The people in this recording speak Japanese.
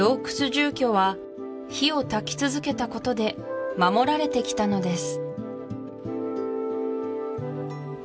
住居は火をたき続けたことで守られてきたのです